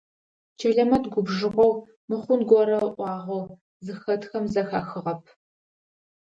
Чэлэмэт губжыгъэу, мыхъун горэ ыӏуагъэу зыхэтхэм зэхахыгъэп.